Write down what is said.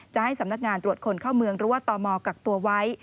จะให้สำนักงานตรวจคนเข้าเมืองหรือว่าตมกักตัวไว้